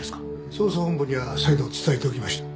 捜査本部には再度伝えておきました。